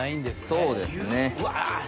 そうですね。